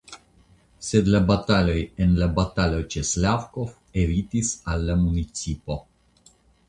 Sed la bataloj en la batalo ĉe Slavkov evitis al la municipo.